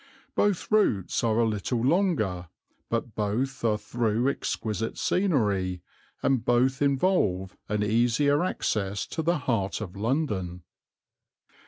Both routes are a little longer, but both are through exquisite scenery, and both involve an easier access to the heart of London.